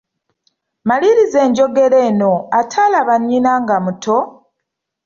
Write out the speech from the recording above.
Maliriza enjogera eno, ataalaba nnyina nga muto …